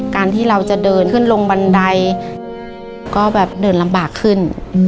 การที่เราจะเดินขึ้นลงบันไดก็แบบเดินลำบากขึ้น